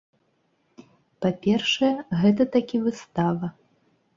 Па-першае, гэта такі выстава.